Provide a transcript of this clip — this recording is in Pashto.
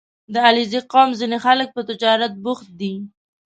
• د علیزي قوم ځینې خلک په تجارت بوخت دي.